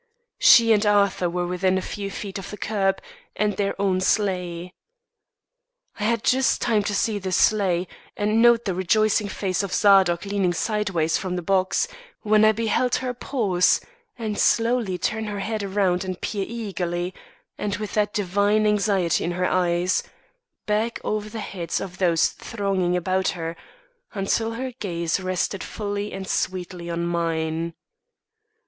She and Arthur were within a few feet of the curb and their own sleigh. I had just time to see this sleigh, and note the rejoicing face of Zadok leaning sideways from the box, when I beheld her pause and slowly turn her head around and peer eagerly and with what divine anxiety in her eyes back over the heads of those thronging about her, until her gaze rested fully and sweetly on mine.